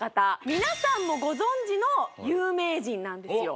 皆さんもご存じの有名人なんですよ